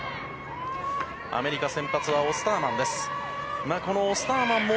アメリカ先発はオスターマンです。